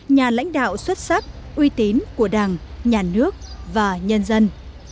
nhà lãnh đạo xuất sắc uy tín của đảng nhà nước và nhân dân